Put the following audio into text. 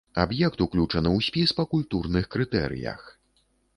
Аб'ект уключаны ў спіс па культурных крытэрыях.